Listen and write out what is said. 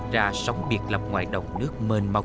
ra sống biệt lập ngoài đồng nước mênh mộc